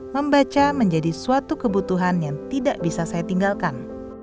membaca menjadi suatu kebutuhan yang tidak bisa saya tinggalkan